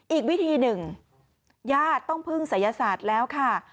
อีกวิธีหนึ่งญาติต้องพึ่งศัยศาสตร์แล้วค่ะ